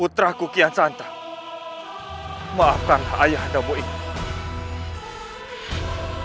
utraku kian santa maafkanlah ayah dan ibu ini